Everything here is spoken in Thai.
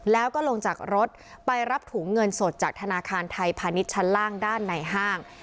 แล้วก็ลงจากรถไปรับถุงเงินสดจากธนาคารไทยพาณิชย์ชั้นล่างด้านในห้าง